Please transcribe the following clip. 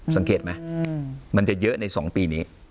สังเกตไหมมันจะเยอะใน๒ปีนี้